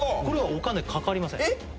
これはお金かかりません